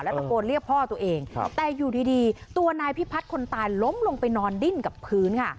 ตะโกนเรียกพ่อตัวเองแต่อยู่ดีตัวนายพิพัฒน์คนตายล้มลงไปนอนดิ้นกับพื้นค่ะ